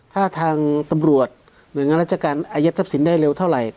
ถ้าทางตำรวจหน่วยงานราชการอายัดทรัพย์สินได้เร็วเท่าไหร่